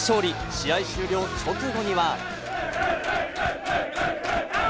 試合終了直後には。